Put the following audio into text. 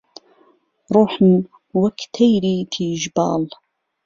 ڕووحم وەک تەیری تیژ باڵ